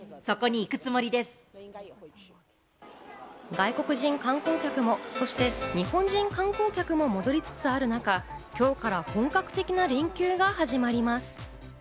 外国人観光客も、そして日本人観光客も戻りつつある中、今日から本格的な連休が始まります。